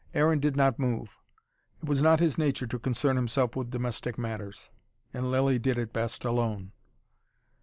Aaron did not move. It was not his nature to concern himself with domestic matters and Lilly did it best alone.